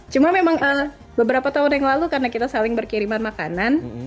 cuma memang beberapa tahun yang lalu karena kita saling berkiriman makanan